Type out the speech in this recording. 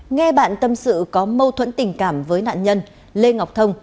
nghe bạn tâm sự có mâu thuẫn tình cảm với nạn nhân lê ngọc thông